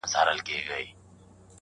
زه يې د نوم تر يوه ټكي صدقه نه سومه.